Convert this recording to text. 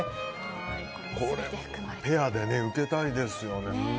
ペアで受けたいですよね。